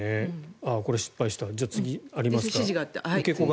これ、失敗したじゃあ次ありますか？